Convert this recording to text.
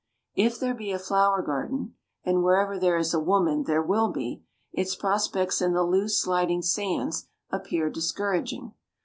If there be a flower garden (and, wherever there is a woman, there will be), its prospects in the loose sliding sands appear discouraging.